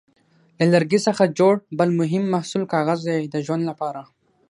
له لرګي څخه جوړ بل مهم محصول کاغذ دی د ژوند لپاره.